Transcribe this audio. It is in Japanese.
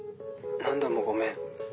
何度もごめん。